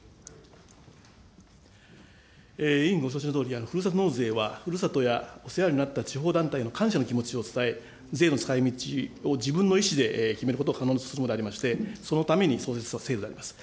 委員ご承知のとおり、ふるさと納税はふるさとやお世話になった地方団体に感謝の気持ちを伝え、税の使いみちを自分の意思で決めることを可能にするものでありまして、そのために創設した制度であります。